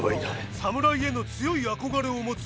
侍への強い憧れを持つイチ。